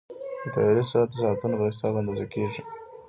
د طیارې سرعت د ساعتونو په حساب اندازه کېږي.